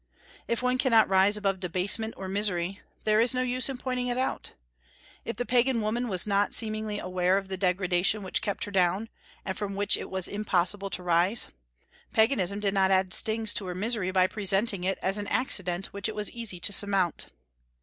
If one cannot rise above debasement or misery, there is no use in pointing it out. If the Pagan woman was not seemingly aware of the degradation which kept her down, and from which it was impossible to rise, Paganism did not add stings to her misery by presenting it as an accident which it was easy to surmount.